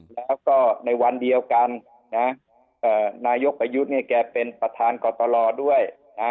แล้วก็ในวันเดียวกันนายกประยุทธ์เนี่ยแกเป็นประธานกรตลด้วยนะ